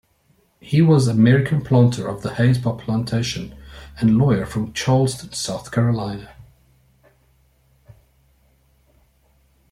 He was American planter of the Hayes Plantation and lawyer from Charleston, South Carolina.